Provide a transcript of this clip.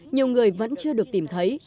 nhiều người vẫn chưa được tìm thấy